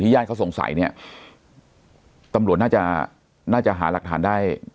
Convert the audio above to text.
ญาติเขาสงสัยเนี่ยตำรวจน่าจะน่าจะหาหลักฐานได้